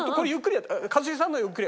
一茂さんでゆっくり。